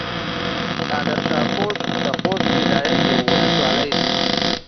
نادرشاه کوټ د خوست ولايت يوه ولسوالي ده.